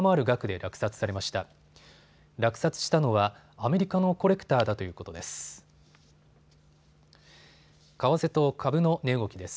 落札したのはアメリカのコレクターだということです。